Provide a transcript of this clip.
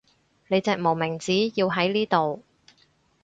你隻無名指要喺呢度